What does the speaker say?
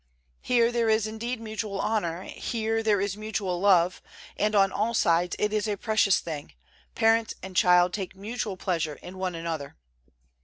Here there is indeed mutual honor, here there is mutual love, and on all sides it is a precious thing, parents and child take mutual pleasure in one another.